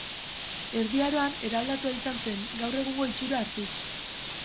Erdi Aroan eraldatua izan zen, gaur egungo itxura hartuz.